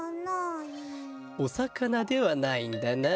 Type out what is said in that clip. おさかなではないんだな。